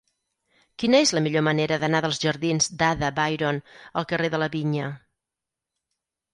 Quina és la millor manera d'anar dels jardins d'Ada Byron al carrer de la Vinya?